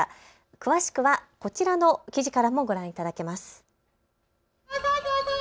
詳しくはこちらの記事からもご覧いただけます。